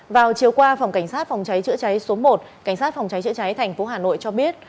vào chiều qua phòng cảnh sát phòng cháy chữa cháy số một cảnh sát phòng cháy chữa cháy tp hcm cho biết